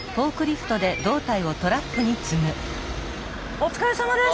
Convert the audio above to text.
お疲れさまです。